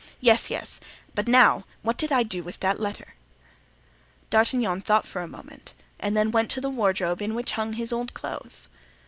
Yes, yes; but now what did I do with that letter?" D'Artagnan thought a moment and then went to the wardrobe in which hung his old clothes.